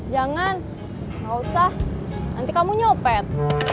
jangan nggak usah nanti kamu nyopet